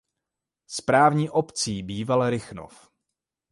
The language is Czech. Správní obcí býval Rychnov.